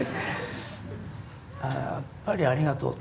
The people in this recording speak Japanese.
やっぱり「ありがとう」。